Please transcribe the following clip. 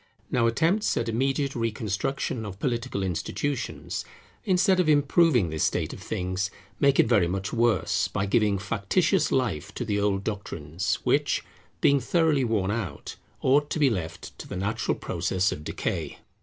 Now attempts at immediate reconstruction of political institutions, instead of improving this state of things, make it very much worse, by giving factitious life to the old doctrines, which, being thoroughly worn out, ought to be left to the natural process of decay.